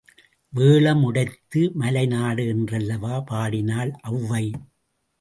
வேழம் உடைத்து மலை நாடு என்றல்லவா பாடினாள் ஔவை.